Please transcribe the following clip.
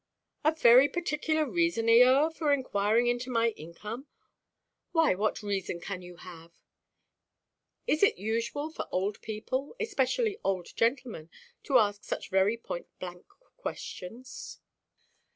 "A very particular reason, Eoa, for inquiring into my income! Why, what reason can you have?" "Is it usual for old people, especially old gentlemen, to ask such very point–blank questions?"